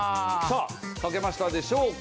さあ書けましたでしょうか？